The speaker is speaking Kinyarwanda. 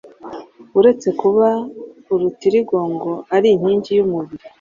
uretse kuba urutirigongo ari inkingi y’umubiri